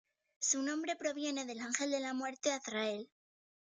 Su nombre proviene del ángel de la muerte Azrael.